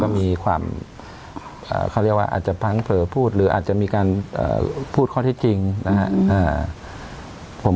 มีความเขาเรียกว่าอาจจะพังเผลอพูดหรืออาจจะมีการพูดข้อที่จริงนะครับ